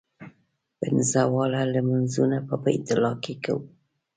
پنځه واړه لمونځونه په بیت الله کې کوو.